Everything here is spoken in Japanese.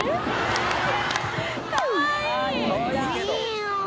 かわいい！